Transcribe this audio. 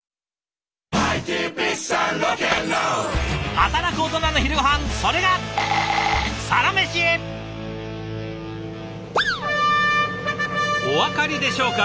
働くオトナの昼ごはんそれがお分かりでしょうか？